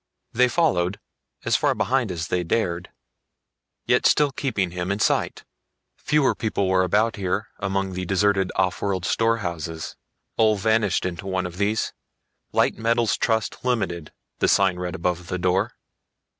They followed, as far behind as they dared, yet still keeping him in sight. Fewer people were about here among the deserted offworld storehouses. Ulv vanished into one of these; LIGHT METALS TRUST LTD., the sign read above the door.